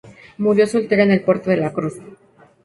Murió soltera en el Puerto de la Cruz.